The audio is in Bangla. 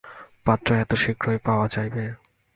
পাত্র এত শীঘ্র পাওয়া যাইবে?